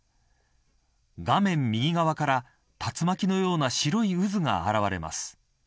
画面右側から竜巻のような白い渦が現れます。